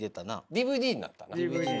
ＤＶＤになったな。